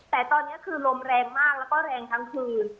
แต่ตอนนี้คือลมแรงมากแล้วก็แรงทั้งคืน